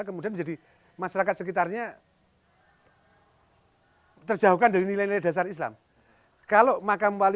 kemudian menjadi masyarakat sekitarnya terjauhkan dari nilai nilai dasar islam kalau makam wali